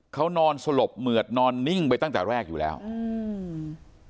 เขานอนสลบเหมือดนอนนิ่งไปตั้งแต่แรกอยู่แล้วอืม